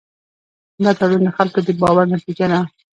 دا تړون د خلکو د باور نتیجه ده.